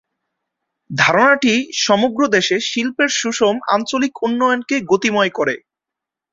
ধারণাটি সমগ্র দেশে শিল্পের সুষম আঞ্চলিক উন্নয়নকে গতিময় করে।